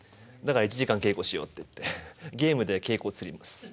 だから１時間稽古しようって言ってゲームで稽古を釣ります。